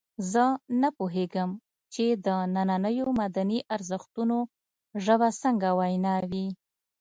زه نه پوهېږم چې د نننیو مدني ارزښتونو ژبه څنګه وینا وي.